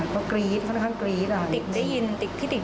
ติกได้ยินขึ้น